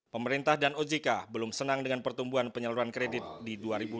pemerintah dan ojk belum senang dengan pertumbuhan penyeluruhan kredit di dua ribu delapan belas